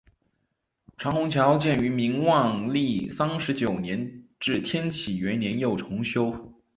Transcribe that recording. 长虹桥建于明万历三十九年至天启元年又重修。